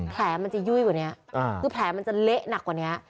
แผลมันจะยุ่ยกว่านี้คือแผลมันจะเละหนักกว่านี้